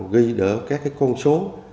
ghi đỡ các con số